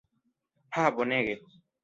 Ha bonege.